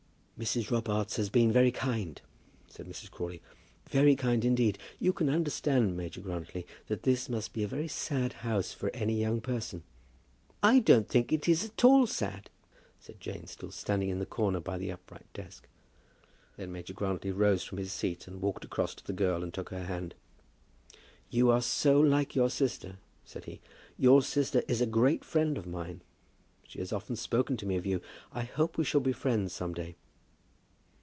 "Mrs. Robarts has been very kind," said Mrs. Crawley, "very kind indeed. You can understand, Major Grantly, that this must be a very sad house for any young person." "I don't think it is at all sad," said Jane, still standing in the corner by the upright desk. Then Major Grantly rose from his seat and walked across to the girl and took her hand. "You are so like your sister," said he. "Your sister is a great friend of mine. She has often spoken to me of you. I hope we shall be friends some day."